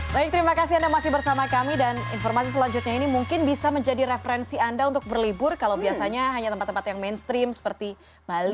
baik terima kasih anda masih bersama kami dan informasi selanjutnya ini mungkin bisa menjadi referensi anda untuk berlibur kalau biasanya hanya tempat tempat yang mainstream seperti bali